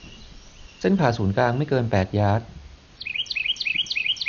เส้นผ่าศูนย์กลางไม่เกินแปดยาร์ด